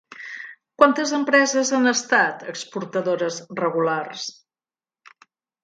Quantes empreses han estat exportadores regulars?